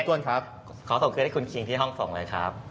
ขอส่งเครื่องให้คุณคิงที่ห้องส่งเลยครับ